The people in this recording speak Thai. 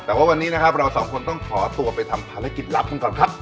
แต่ว่าวันนี้นะครับเราสองคนต้องขอตัวไปทำภารกิจลับกันก่อนครับ